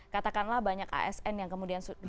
katakanlah banyak asn yang kemudian